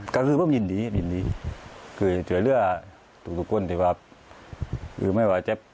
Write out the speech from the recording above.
ก็คือผมยินดียินดี